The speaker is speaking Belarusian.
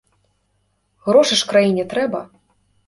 Грошы ж краіне трэба!